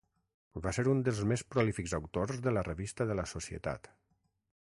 Va ser un dels més prolífics autors de la revista de la Societat.